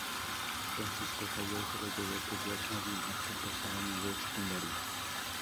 Francisco Javier sólo llegó a estudiar allí hasta el tercer año de secundaria.